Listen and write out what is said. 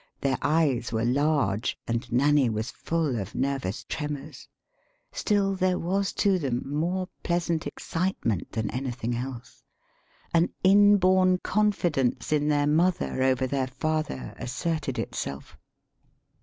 [Their eyes were large, and Nanny was full of nervous tremors. Still there was to them more pleasant excitement than anything else. An inborn confidence in their mother over their father asserted itself.